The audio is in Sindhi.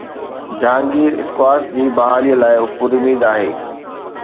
جهانگير اسڪواش جي بحاليءَ لاءِ پراميد آهي